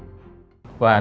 và trong what